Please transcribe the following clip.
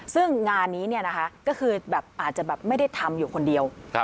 ซึ่งงานนี้เนี่ยนะคะก็คือแบบอาจจะแบบไม่ได้ทำอยู่คนเดียว